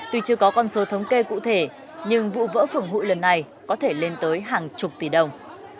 tuy chưa có con số thống kê cụ thể nhưng vụ vỡ phường hụi lần này có thể lên tới hàng chục tỷ đồng